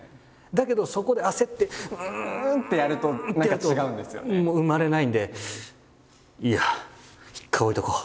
だけどそこで焦ってうんってやるともう生まれないんでいいや一回置いとこう。